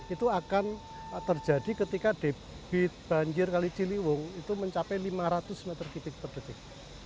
itu akan terjadi ketika debit banjir kali ciliwung itu mencapai lima ratus meter kubik per detik